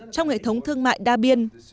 trong hệ thống thương mại đa biên